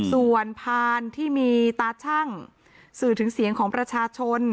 ส่วนพานที่มีตาชั่งสื่อถึงเสียงของประชาชน